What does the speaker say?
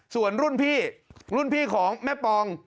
ส่วนรุ่นพี่รุ่นพี่ของแม่ปอง